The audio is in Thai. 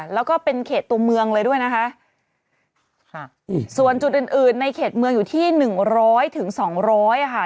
แล้วก็เป็นเขตตัวเมืองเลยด้วยนะคะค่ะส่วนจุดอื่นอื่นในเขตเมืองอยู่ที่หนึ่งร้อยถึงสองร้อยอ่ะค่ะ